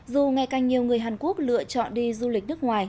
dù ngày càng nhiều người hàn quốc lựa chọn đi du lịch nước ngoài